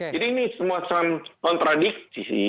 jadi ini semua contradiksi